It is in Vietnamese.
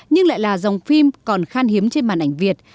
nhưng lại là dòng phim còn khan hiếm trên màn ảnh việt